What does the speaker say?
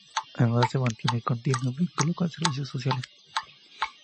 Además, se mantiene un continuo vínculo con servicios sociales.